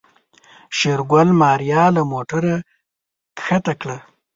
شېرګل ماريا له موټره کښته کړه.